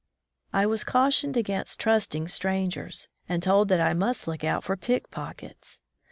I was cautioned against trusting strangers, and told that I must look out for pickpockets.